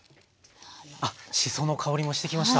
あっしその香りもしてきました。